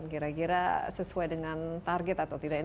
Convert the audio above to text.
kira kira sesuai dengan target atau tidak